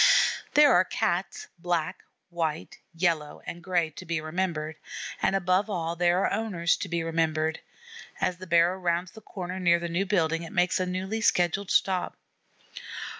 There are Cats black, white, yellow, and gray to be remembered, and, above all, there are owners to be remembered. As the barrow rounds the corner near the new building it makes a newly scheduled stop.